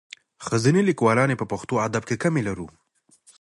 ښځینه لیکوالاني په پښتو ادب کښي کمي لرو.